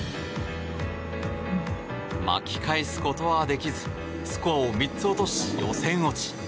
巻き返すことはできずスコアを３つ落とし予選落ち。